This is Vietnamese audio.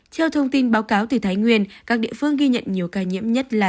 theo thông tin báo cáo từ thái nguyên các địa phương ghi nhận nhiều ca nhiễm nhất là